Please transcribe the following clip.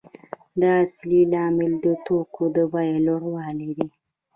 دا اصلي لامل د توکو د بیې لوړوالی دی